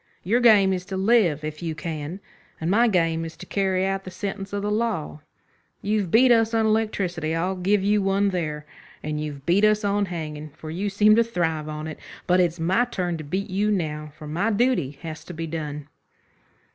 Your game is to live if you can, and my game is to carry out the sentence of the law. You've beat us on electricity. I'll give you one there. And you've beat us on hanging, for you seem to thrive on it. But it's my turn to beat you now, for my duty has to be done."